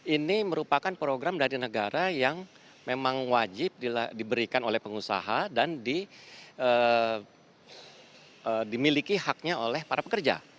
ini merupakan program dari negara yang memang wajib diberikan oleh pengusaha dan dimiliki haknya oleh para pekerja